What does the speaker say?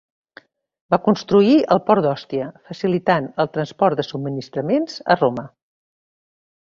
Va construir el port d'Òstia, facilitant el transport de subministraments a Roma.